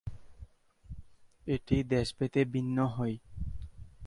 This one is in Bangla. এটি দেশভেদে ভিন্ন হয়।